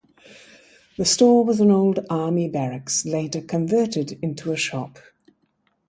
The store was an old army barracks later converted into a shop.